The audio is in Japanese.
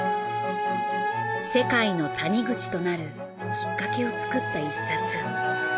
世界の谷口となるきっかけを作った１冊。